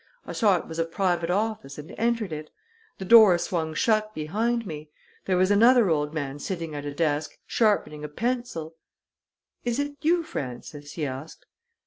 I saw it was a private office and entered it. The door swung shut behind me. There was another old man sitting at a desk, sharpening a pencil." "'Is it you, Frances?' he asked.